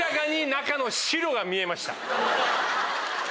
中の白が見えました。